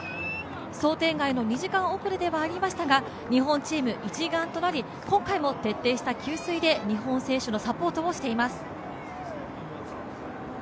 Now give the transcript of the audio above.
想定外の２時間遅れではありましたが、日本チーム一丸となり、今回も徹底した給水で日本選手のサポートをしています。